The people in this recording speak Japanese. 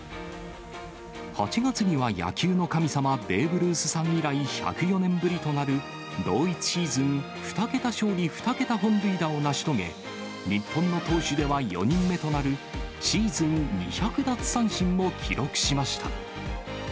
８月には野球の神様、ベーブ・ルースさん以来、１０４年ぶりとなる、同一シーズン２桁勝利・２桁本塁打を成し遂げ、日本の投手では４人目となるシーズン２００奪三振も記録しました。